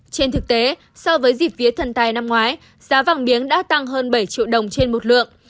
trên thực tế so với dịp vía thần tài năm ngoái giá vàng miếng đã tăng hơn bảy triệu đồng trên một lượng